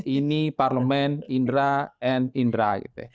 ini parlemen indra and indra gitu ya